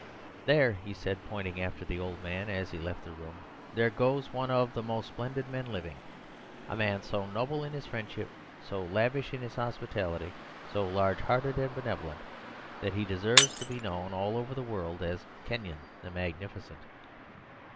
"There," he said, pointing after the old man as he left the room, "there goes one of the most splendid men living a man so noble in his friendship, so lavish in his hospitality, so large hearted and benevolent, that he deserves to be known all over the world as 'Kenyon the Magnificent.'"